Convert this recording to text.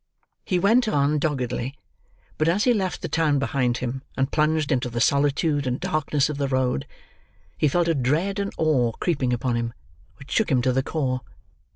He went on doggedly; but as he left the town behind him, and plunged into the solitude and darkness of the road, he felt a dread and awe creeping upon him which shook him to the core.